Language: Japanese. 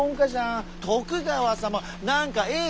徳川様何かええ